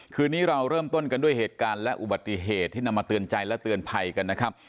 คืนนี้เราเริ่มต้นกันด้วยเหตุการณ์และอุบัติเหตุที่นำมาเตือนใจและเตือนภัยกันนะครับ